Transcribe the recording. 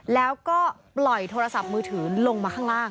แล้วก็ปล่อยโทรศัพท์มือถือลงมาข้างล่าง